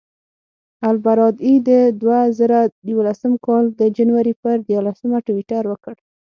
البرادعي د دوه زره یولسم کال د جنورۍ پر دیارلسمه ټویټر وکړ.